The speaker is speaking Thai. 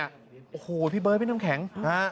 โอ้โฮพี่เบอร์พี่น้องแข็ง